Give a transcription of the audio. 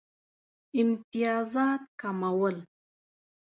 امتیازات کمول.